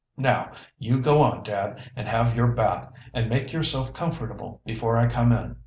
Now, you go on, dad, and have your bath, and make yourself comfortable before I come in.